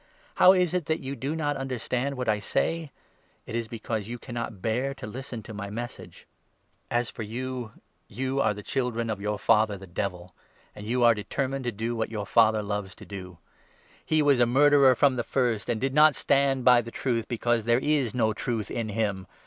How is it that you do not understand what I say? It is because 43 you cannot bear to listen to my Message. As for you, you are 44 JOHN, 8 9. 183 children of your father the Devil, and you are determined to do what your father loves to do. He was a murderer from the first, and did not stand by the truth, because there is no truth in him.